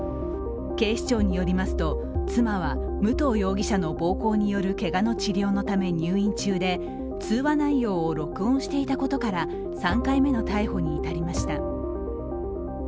警視庁によりますと妻は武藤容疑者の暴行によるけがの治療のため入院中で通話内容を録音していたことから３回目の逮捕に至りました。